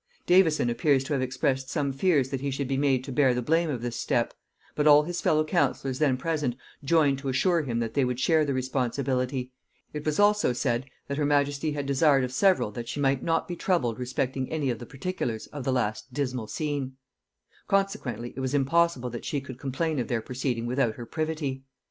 Davison appears to have expressed some fears that he should be made to bear the blame of this step; but all his fellow councillors then present joined to assure him that they would share the responsibility: it was also said, that her majesty had desired of several that she might not be troubled respecting any of the particulars of the last dismal scene; consequently it was impossible that she could complain of their proceeding without her privity.